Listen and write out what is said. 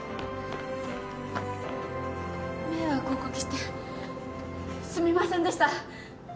迷惑をお掛けしてすみませんでした。